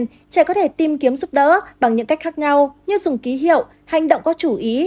trẻ có thể tìm kiếm giúp đỡ bằng những cách khác nhau như dùng ký hiệu hành động có chủ ý